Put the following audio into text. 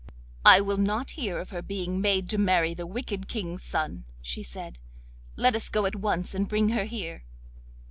'I will not hear of her being made to marry the wicked King's son,' she said. 'Let us go at once and bring her here.